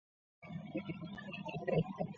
由五氧化二砷溶于水而得。